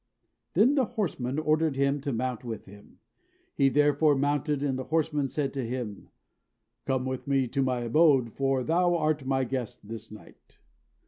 Then the horseman ordered him to mount with him. He therefore mounted; and the horseman said to him, "Come with me to my abode: for thou art my guest this night."